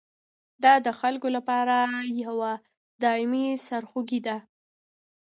دا د خلکو لپاره یوه دایمي سرخوږي ده.